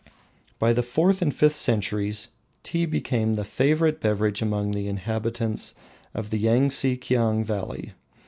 By the fourth and fifth centuries Tea became a favourite beverage among the inhabitants of the Yangtse Kiang valley.